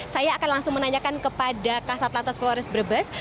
saya akan langsung menanyakan kepada kasat lantas polres brebes